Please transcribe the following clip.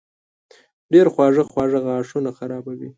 ډېر خواږه خواړه غاښونه خرابوي.